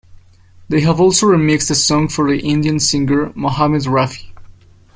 They have also remixed a song for the Indian singer Mohammed Rafi.